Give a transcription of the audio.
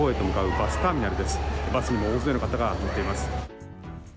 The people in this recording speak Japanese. バスには大勢の方が乗っています。